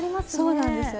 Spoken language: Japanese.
そうなんですよね。